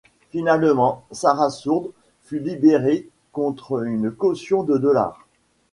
Finalement, Sarah Shourd fut libérée contre une caution de dollars.